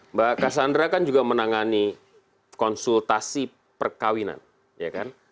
mbak kassandra kan juga menangani konsultasi perkawinan